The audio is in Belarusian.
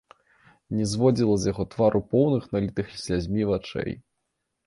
Не зводзіла з яго твару поўных, налітых слязьмі вачэй.